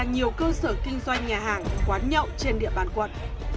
nhiều cơ sở kinh doanh nhà hàng quán nhậu trên địa bàn quận